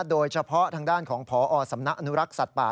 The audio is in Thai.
โดยเฉพาะทางด้านของพอสำนักอนุรักษ์สัตว์ป่า